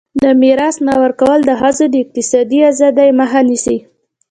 د میراث نه ورکول د ښځو د اقتصادي ازادۍ مخه نیسي.